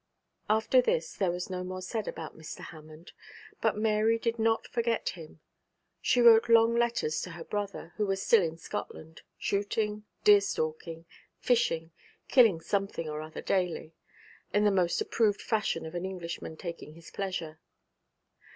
After this there was no more said about Mr. Hammond; but Mary did not forget him. She wrote long letters to her brother, who was still in Scotland, shooting, deer stalking, fishing, killing something or other daily, in the most approved fashion of an Englishman taking his pleasure.